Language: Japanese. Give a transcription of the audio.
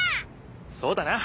そうだな。